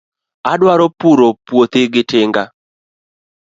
Adwaro puro puothi gi tinga.